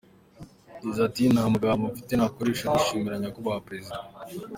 Yagize ati “ Nta magambo mfite nakoresha ngushimira Nyakubahwa Perezida.